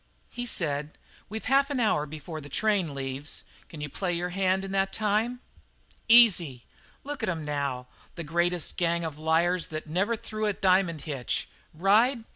He said: "We've half an hour before our train leaves. Can you play your hand in that time?" "Easy. Look at 'em now the greatest gang of liars that never threw a diamond hitch! Ride?